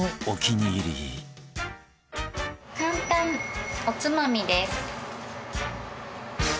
簡単おつまみです。